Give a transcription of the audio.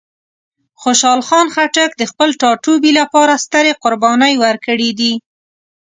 خوشحال خان خټک د خپل ټاټوبي لپاره سترې قربانۍ ورکړې دي.